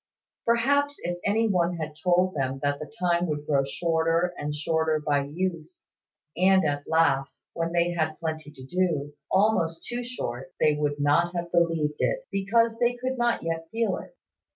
Perhaps, if any one had told them that the time would grow shorter and shorter by use, and at last, when they had plenty to do, almost too short, they would not have believed it, because they could not yet feel it.